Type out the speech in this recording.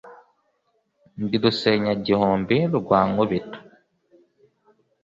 Ndi rusenyagihumbi rwa Nkubito,